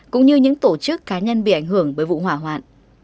cũng như những tổ chức cá nhân bị ảnh hưởng bởi vụ hỏa hoạn